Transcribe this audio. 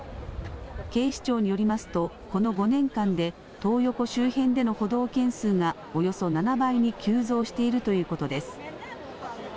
警視庁によりますとこの５年間でトー横周辺での補導件数がおよそ７倍に急増しているということです。